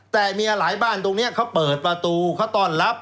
แต่เมียหลายบ้านตรงนี้เขาเปิดประตูเขาต้อนรับ